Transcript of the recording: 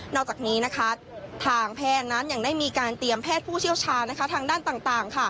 อกจากนี้ทางแพทย์นั้นยังได้มีการเตรียมแพทย์ผู้เชี่ยวชาญทางด้านต่าง